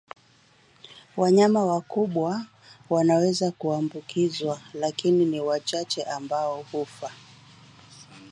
Wanyama wakubwa wanaweza kuambukizwa lakini ni wachache ambao hufa